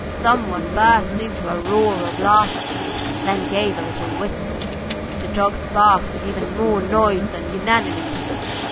Someone burst into a roar of laughter, then gave a whistle; the dogs barked with even more noise and unanimity.